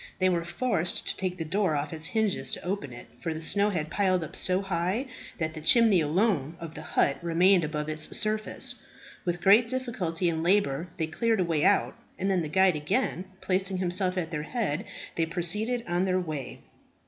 They were forced to take the door off its hinges to open it, for the snow had piled up so high that the chimney alone of the hut remained above its surface. With great difficulty and labour they cleared a way out, and then the guide again placing himself at their head, they proceeded on their way.